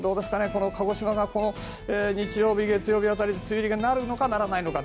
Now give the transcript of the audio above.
この鹿児島が日曜日、月曜日辺りで梅雨入りなるのかならないのか。